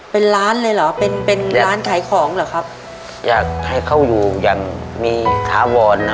เป็นร้านเลยเหรอเป็นเป็นร้านขายของเหรอครับอยากให้เขาอยู่อย่างมีถาวรนะ